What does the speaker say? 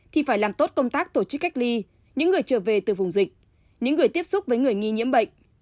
thì phải làm tốt công tác tổ chức cách ly những người trở về từ vùng dịch những người tiếp xúc với người nghi nhiễm bệnh